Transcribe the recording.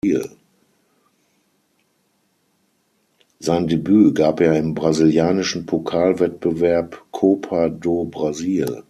Sein Debüt gab er im brasilianischen Pokalwettbewerb Copa do Brasil.